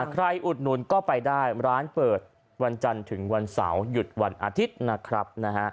อุดหนุนก็ไปได้ร้านเปิดวันจันทร์ถึงวันเสาร์หยุดวันอาทิตย์นะครับ